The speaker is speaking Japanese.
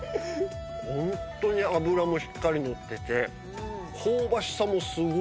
ホントに脂もしっかりのってて香ばしさもすごい。